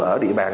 ở địa bàn